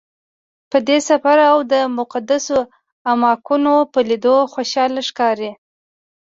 په دې سفر او د مقدسو اماکنو په لیدلو خوشحاله ښکاري.